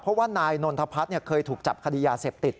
เพราะว่านายนนทพัฒน์เคยถูกจับคดียาเสพติด